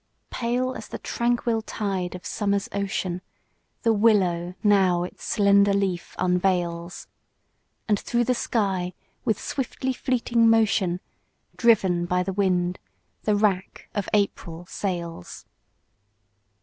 Pale as the tranquil tide of summer's ocean, The willow now its slender leaf unveils; And through the sky with swiftly fleeting motion, Driv'n by the wind, the rack of April sails.